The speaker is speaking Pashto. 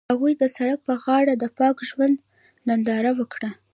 هغوی د سړک پر غاړه د پاک ژوند ننداره وکړه.